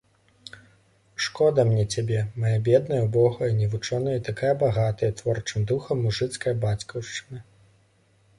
Шкода мне цябе, мая бедная, убогая, невучоная і такая багатая творчым духам мужыцкая бацькаўшчына.